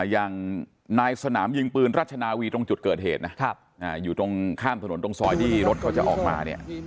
อย่างนายสนามยิงปืนรัชนาวีตรงจุดเกิดเหตุนะอยู่ตรงข้ามถนนตรงซอยที่รถเขาจะออกมาเนี่ย